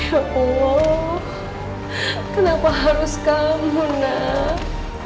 ya allah kenapa harus kamu nak